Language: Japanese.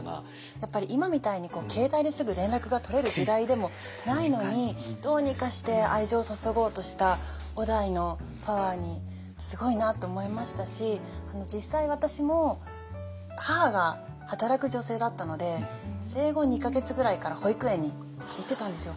やっぱり今みたいに携帯ですぐ連絡が取れる時代でもないのにどうにかして愛情を注ごうとした於大のパワーにすごいなと思いましたし実際私も母が働く女性だったので生後２か月ぐらいから保育園に行ってたんですよ。